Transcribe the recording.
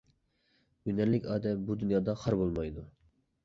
ھۈنەرلىك ئادەم بۇ دۇنيادا خار بولمايدۇ.